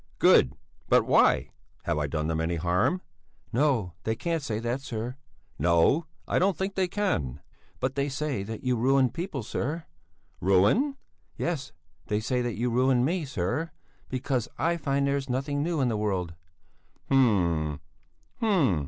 "Good! But why? Have I done them any harm?" "No, they can't say that, sir." "No, I don't think they can." "But they say that you ruin people, sir." "Ruin?" "Yes, they say that you ruined me, sir, because I find that there's nothing new in the world." "Hm! Hm!